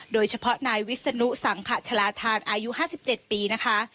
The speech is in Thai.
โดยเฉพาะนายวิศนุสังขชาลาธานอายุ๕๗ปีนะคะ